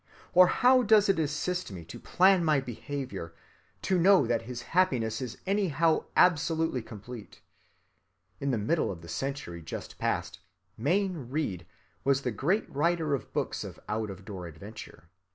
Or how does it assist me to plan my behavior, to know that his happiness is anyhow absolutely complete? In the middle of the century just past, Mayne Reid was the great writer of books of out‐of‐ door adventure.